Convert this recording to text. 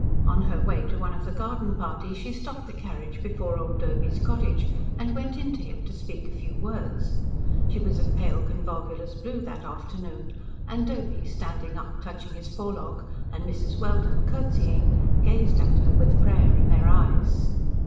On her way to one of the garden parties she stopped the carriage before old Doby's cottage, and went in to him to speak a few words. She was of pale convolvulus blue that afternoon, and Doby, standing up touching his forelock and Mrs. Welden curtsying, gazed at her with prayer in their eyes.